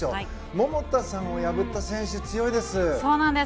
桃田さんを破った選手強いです。